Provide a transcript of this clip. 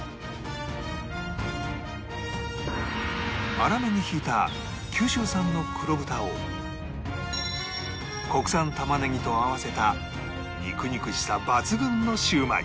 粗めにひいた九州産の黒豚を国産玉ねぎと合わせた肉々しさ抜群のシューマイ